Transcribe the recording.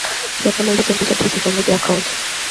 He apologised and deleted his social media account.